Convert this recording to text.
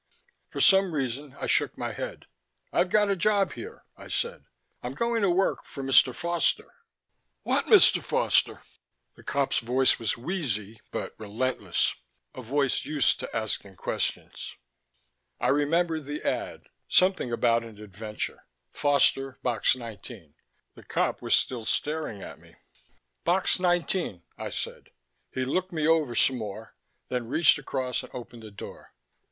For some reason I shook my head. "I've got a job here," I said. "I'm going to work for Mr. Foster." "What Mr. Foster?" The cop's voice was wheezy, but relentless; a voice used to asking questions. I remembered the ad something about an adventure; Foster, Box 19. The cop was still staring at me. "Box nineteen," I said. He looked me over some more, then reached across and opened the door.